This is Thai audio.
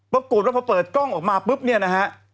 ปรากฏว่าพอเปิดกล้องออกมาปุ๊บเนี่ยนะฮะ